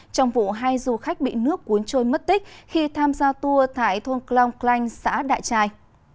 trong vụ hai du khách bị nước cuốn trôi mất tích khi tham gia tour tại thôn cloung klanh xã đại trai